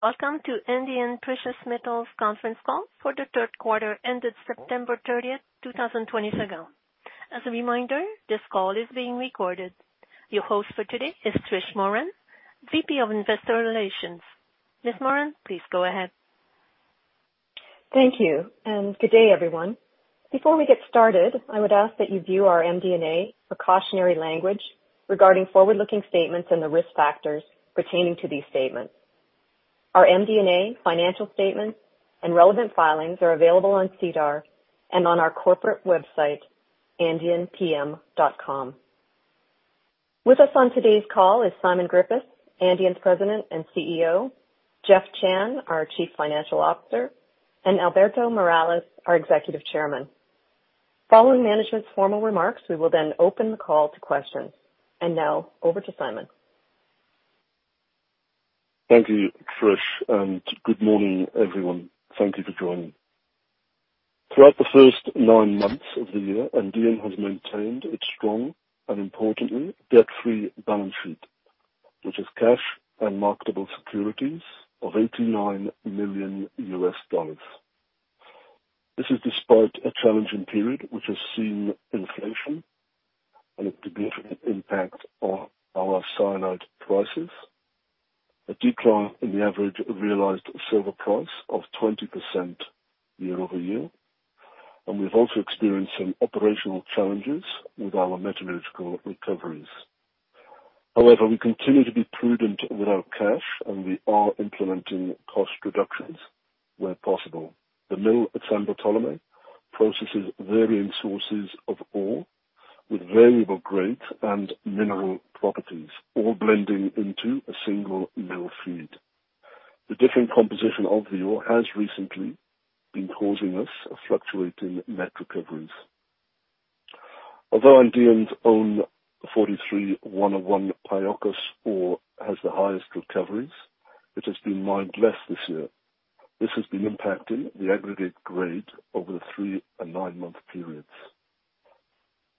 Welcome to Andean Precious Metals conference call for the third quarter ended September 30, 2022. As a reminder, this call is being recorded. Your host for today is Trish Moran, VP of Investor Relations. Ms. Moran, please go ahead. Thank you, and good day, everyone. Before we get started, I would ask that you view our MD&A precautionary language, regarding forward-looking statements and the risk factors pertaining to these statements. Our MD&A financial statements, and relevant filings are available on SEDAR, and on our corporate website, andeanpm.com. With us on today's call is Simon Griffiths, Andean's President and CEO, Jeff Chan, our Chief Financial Officer, and Alberto Morales, our Executive Chairman. Following management's formal remarks, we will then open the call to questions. Now over to Simon. Thank you, Trish, and good morning, everyone. Thank you for joining. Throughout the first nine months of the year, Andean has maintained its strong and importantly, debt-free balance sheet, which is cash and marketable securities of $89 million. This is despite a challenging period which has seen inflation, and a significant impact on our cyanide prices, a decline in the average realized silver price of 20% year-over-year. We've also experienced some operational challenges, with our metallurgical recoveries. However, we continue to be prudent with our cash and we are implementing cost reductions where possible. The mill at San Bartolomé, processes varying sources of ore, with variable grade and mineral properties, all blending into a single mill feed. The different composition of the ore has recently been causing us fluctuating net recoveries. Although Andean's own 43-101 Pallacos ore has the highest recoveries, it has been mined less this year. This has been impacting the aggregate grade over the three and nine-month periods.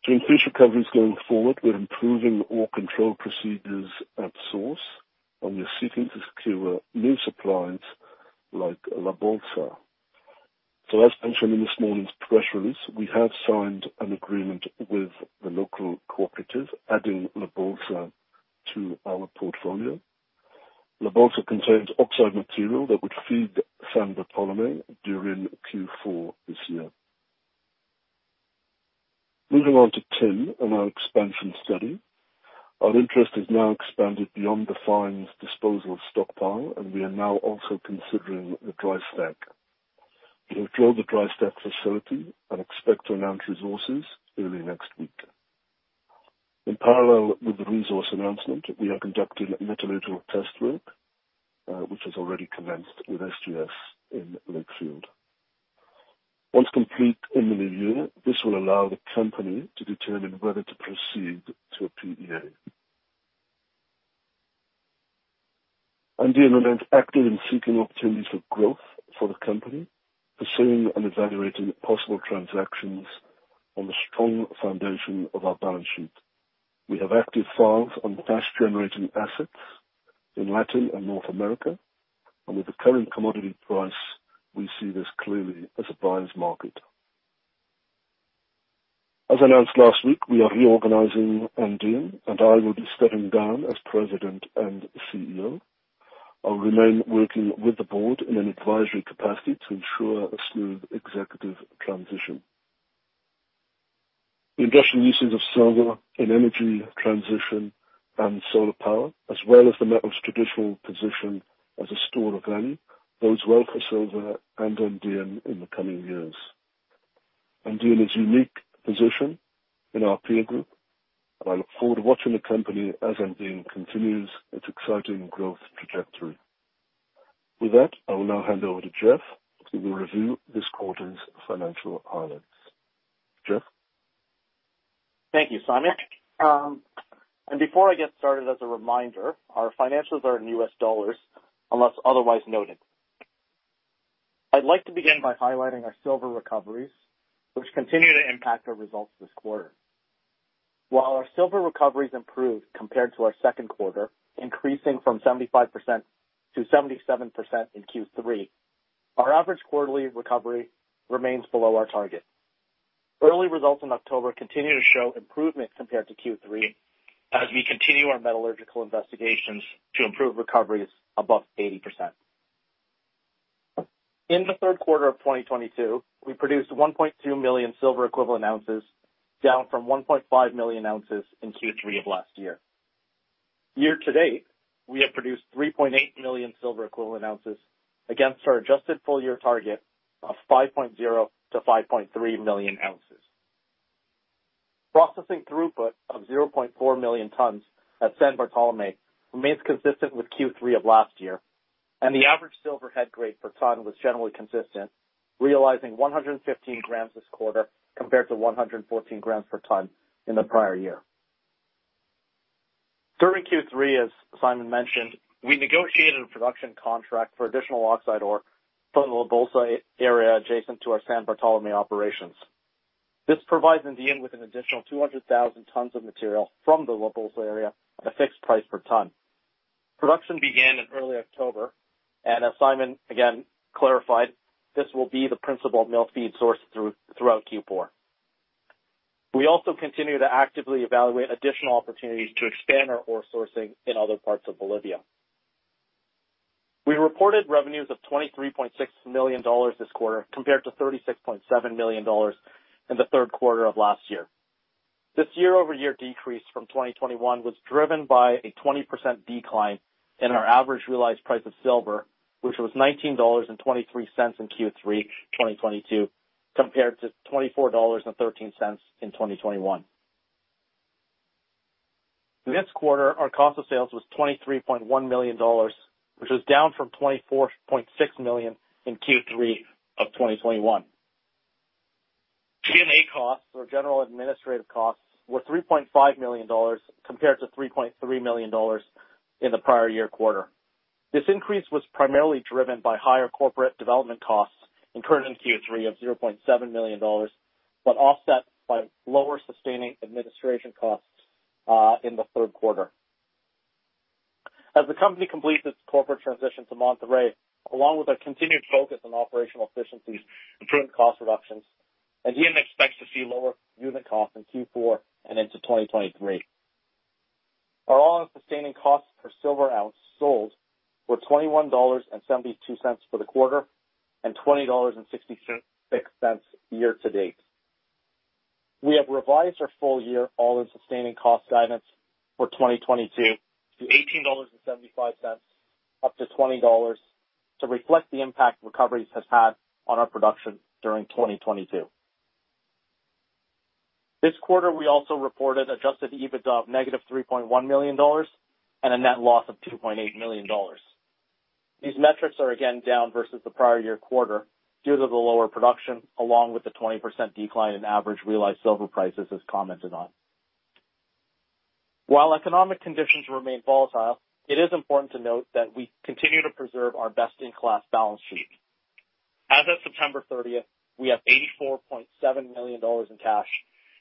To increase recoveries going forward we're improving ore control procedures at source, and we are seeking to secure new supplies like La Bolsa. As mentioned in this morning's press release, we have signed an agreement with the local cooperative, adding La Bolsa to our portfolio. La Bolsa contains oxide material that would feed San Bartolomé during Q4 this year. Moving on to tin and our expansion study. Our interest is now expanded beyond the fines disposal stockpile, and we are now also considering the dry stack. We control the dry stack facility and expect to announce resources early next week. In parallel with the resource announcement, we have conducted metallurgical test work, which has already commenced with SGS in Lakefield. Once complete in the new year, this will allow the company to determine whether to proceed to a PEA. Andean remains active in seeking opportunities for growth for the company, pursuing and evaluating possible transactions on the strong foundation of our balance sheet. We have active files on cash-generating assets in Latin and North America, and with the current commodity price, we see this clearly as a buyer's market. As announced last week, we are reorganizing Andean, and I will be stepping down as President and CEO. I'll remain working with the board in an advisory capacity to ensure a smooth executive transition. The industrial uses of silver in energy transition and solar power, as well as the metal's traditional position as a store of value, bodes well for silver and Andean in the coming years. Andean is a unique position in our peer group, and I look forward to watching the company as Andean continues its exciting growth trajectory. With that, I will now hand over to Jeff, who will review this quarter's financial highlights. Jeff? Thank you, Simon. Before I get started, as a reminder, our financials are in US dollars unless otherwise noted. I'd like to begin by highlighting our silver recoveries, which continue to impact our results this quarter. While our silver recoveries improved compared to our second quarter, increasing from 75% to 77% in Q3, our average quarterly recovery remains below our target. Early results in October continue to show improvement compared to Q3, as we continue our metallurgical investigations to improve recoveries above 80%. In the third quarter of 2022, we produced 1.2 million silver equivalent ounces, down from 1.5 million ounces in Q3 of last year. Year to date, we have produced 3.8 million silver equivalent ounces. Against our adjusted full year target of 5.0-5.3 million ounces. Processing throughput of 0.4 million tons at San Bartolomé remains consistent with Q3 of last year, and the average silver head grade per ton was generally consistent, realizing 115 grams this quarter compared to 114 grams per ton in the prior year. During Q3, as Simon mentioned, we negotiated a production contract for additional oxide ore from La Bolsa area adjacent to our San Bartolomé operations. This provides Andean with an additional 200,000 tons of material from the La Bolsa area at a fixed price per ton. Production began in early October, and as Simon again clarified, this will be the principal mill feed source throughout Q4. We also continue to actively evaluate additional opportunities to expand our ore sourcing in other parts of Bolivia. We reported revenues of $23.6 million this quarter, compared to $36.7 million in the third quarter of last year. This year-over-year decrease from 2021 was driven by a 20% decline in our average realized price of silver, which was $19.23 in Q3 2022, compared to $24.13 in 2021. This quarter, our cost of sales was $23.1 million, which was down from $24.6 million in Q3 of 2021. G&A costs or general administrative costs were $3.5 million compared to $3.3 million in the prior year quarter. This increase was primarily driven by higher corporate development costs incurred in Q3 of $0.7 million, but offset by lower sustaining administration costs in the third quarter. As the company completes its corporate transition to Monterrey, along with a continued focus on operational efficiencies, improved cost reductions, Andean expects to see lower unit costs in Q4 and into 2023. Our all-in sustaining costs per silver ounce sold were $21.72 for the quarter, and $20.66 year to date. We have revised our full year all-in sustaining cost guidance for 2022 to $18.75-$20 to reflect the impact recoveries has had on our production during 2022. This quarter, we also reported adjusted EBITDA of -$3.1 million and a net loss of $2.8 million. These metrics are again down versus the prior year quarter, due to the lower production along with the 20% decline in average realized silver prices as commented on. While economic conditions remain volatile, it is important to note that we continue to preserve our best-in-class balance sheet. As of September 30, we have $84.7 million in cash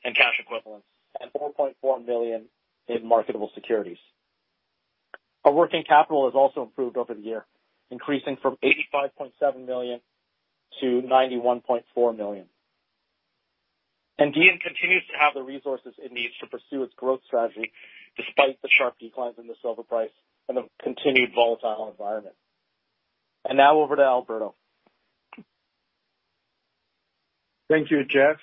and cash equivalents and $4.4 million in marketable securities. Our working capital has also improved over the year, increasing from $85.7 million to $91.4 million. Andean continues to have the resources it needs to pursue its growth strategy despite the sharp declines in the silver price and a continued volatile environment. Now over to Alberto. Thank you, Jeff,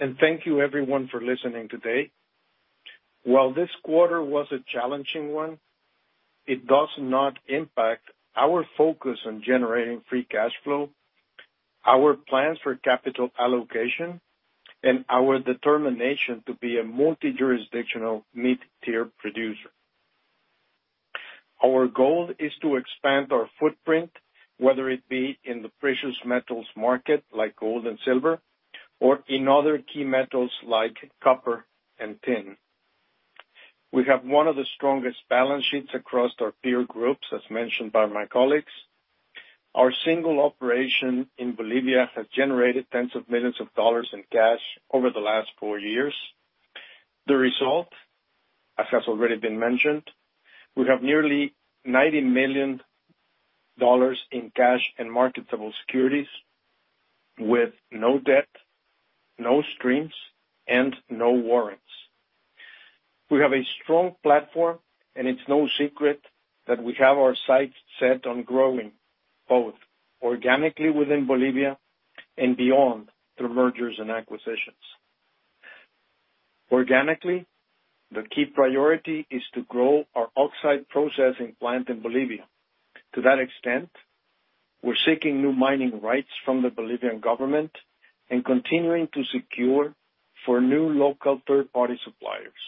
and thank you everyone for listening today. While this quarter was a challenging one, it does not impact our focus on generating free cash flow, our plans for capital allocation, and our determination to be a multi-jurisdictional mid-tier producer. Our goal is to expand our footprint, whether it be in the precious metals market like gold and silver, or in other key metals like copper and tin. We have one of the strongest balance sheets across our peer groups, as mentioned by my colleagues. Our single operation in Bolivia has generated tens of millions of dollars in cash over the last four years. The result, as has already been mentioned, we have nearly $90 million in cash and marketable securities with no debt, no streams, and no warrants. We have a strong platform, and it's no secret that we have our sights set on growing, both organically within Bolivia and beyond through mergers and acquisitions. Organically, the key priority is to grow our oxide processing plant in Bolivia. To that extent, we're seeking new mining rights from the Bolivian government, and continuing to secure ore from new local third-party suppliers.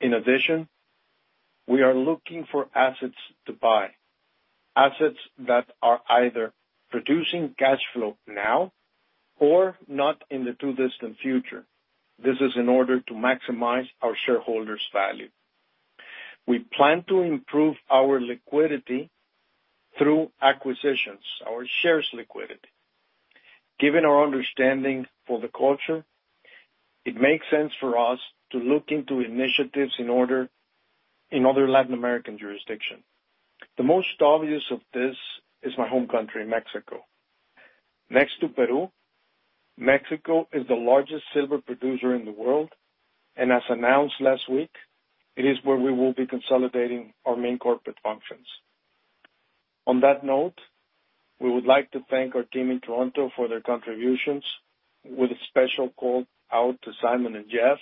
In addition, we are looking for assets to buy, assets that are either producing cash flow now or not in the too distant future. This is in order to maximize our shareholders' value. We plan to improve our liquidity through acquisitions, our shares liquidity. Given our understanding of the culture, it makes sense for us to look into initiatives in other Latin American jurisdictions. The most obvious of this is my home country, Mexico. Next to Peru, Mexico is the largest silver producer in the world, and as announced last week, it is where we will be consolidating our main corporate functions. On that note, we would like to thank our team in Toronto for their contributions, with a special call out to Simon and Jeff,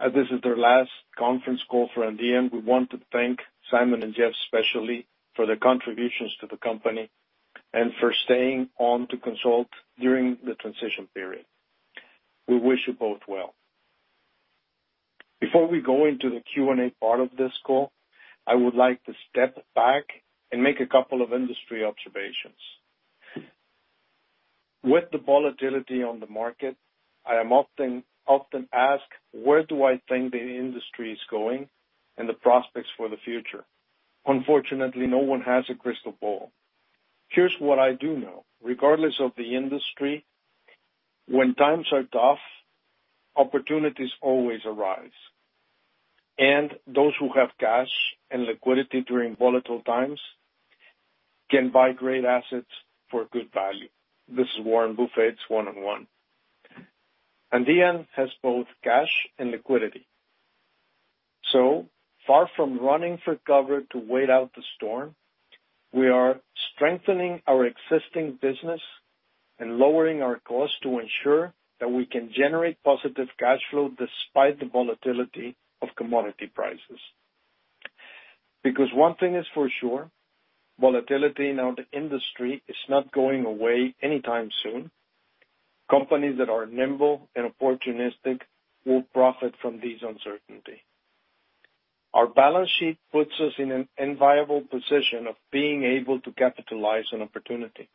as this is their last conference call for Andean. We want to thank Simon and Jeff especially for their contributions to the company and for staying on to consult during the transition period. We wish you both well. Before we go into the Q&A part of this call, I would like to step back and make a couple of industry observations. With the volatility on the market, I am often asked, where do I think the industry is going and the prospects for the future? Unfortunately, no one has a crystal ball. Here's what I do know. Regardless of the industry, when times are tough, opportunities always arise. Those who have cash and liquidity during volatile times, can buy great assets for good value. This is Warren Buffett's one-on-one. Andean has both cash and liquidity. Far from running for cover to wait out the storm, we are strengthening our existing business, and lowering our cost to ensure that we can generate positive cash flow despite the volatility of commodity prices. Because one thing is for sure, volatility in our industry is not going away anytime soon. Companies that are nimble and opportunistic will profit from this uncertainty. Our balance sheet puts us in an enviable position of being able to capitalize on opportunity.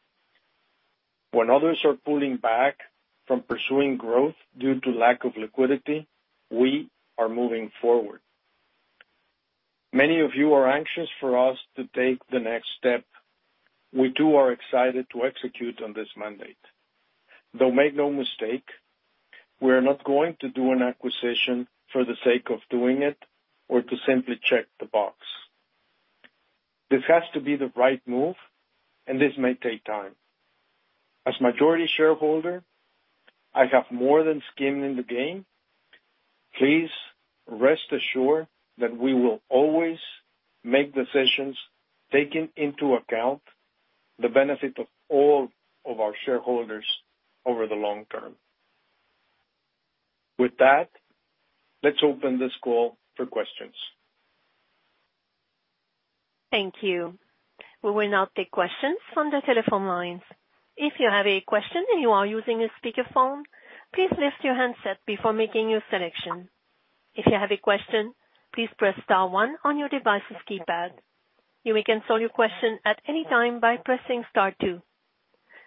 When others are pulling back from pursuing growth due to lack of liquidity, we are moving forward. Many of you are anxious for us to take the next step. We too are excited to execute on this mandate. Though make no mistake, we are not going to do an acquisition for the sake of doing it or to simply check the box. This has to be the right move, and this may take time. As majority shareholder, I have more than skin in the game. Please rest assured that we will always make decisions taking into account, the benefit of all of our shareholders over the long term. With that, let's open this call for questions. Thank you. We will now take questions from the telephone lines. If you have a question and you are using a speakerphone, please lift your handset before making your selection. If you have a question, please press star one on your device's keypad. You may cancel your question at any time by pressing star two.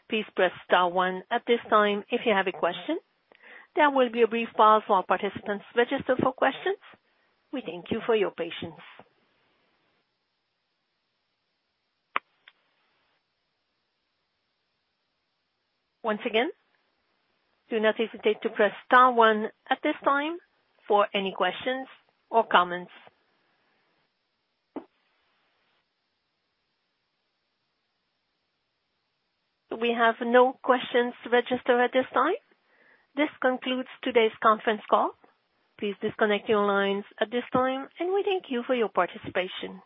Please press star one at this time if you have a question. There will be a brief pause while participants register for questions. We thank you for your patience. Once again, do not hesitate to press star one at this time for any questions or comments. We have no questions registered at this time. This concludes today's conference call. Please disconnect your lines at this time, and we thank you for your participation.